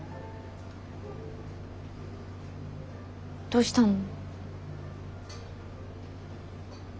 どうしたの？